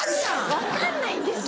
分かんないんですよ